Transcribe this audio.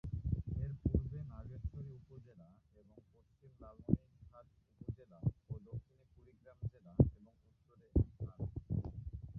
এর পূর্বে নাগেশ্বরী উপজেলা এবং পশ্চিমে লালমনিরহাট উপজেলা ও দক্ষিণে কুড়িগ্রাম জেলা এবং উত্তরে ভারত।